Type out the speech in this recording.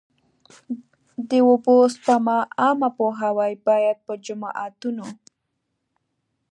د اوبو سپما عامه پوهاوی باید په جوماتونو.